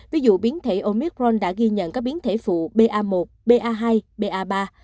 ví dụ biến thể omicron đã ghi nhận các biến thể phụ ba một ba hai ba ba